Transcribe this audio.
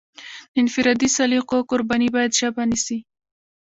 د انفرادي سلیقو قرباني باید ژبه نشي.